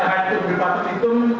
kalau tambahan itu berpatut hitung